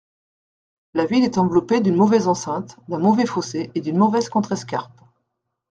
La ville est enveloppée d'une mauvaise enceinte, d'un mauvais fossé et d'une mauvaise contrescarpe.